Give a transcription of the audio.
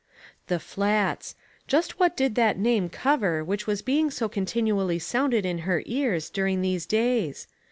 The Flats! Just what did that name cover which was being so continually sounded in her ears during these days?